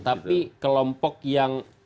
tapi kelompok yang